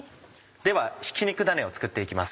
ではひき肉ダネを作って行きます。